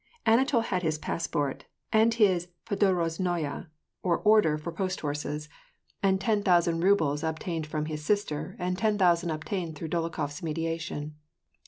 Anatol had his passport and his jpadorozhnaya^ or order for 368 yVAR AND PEACE. post horses, and ten thousand rubles obtained from his sister, and ten thousand obtained through Dolokhof s mediation.